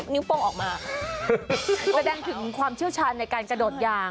นิ้วโป้งออกมาแสดงถึงความเชี่ยวชาญในการกระโดดยาง